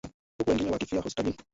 huku wengine wakifia hospitalini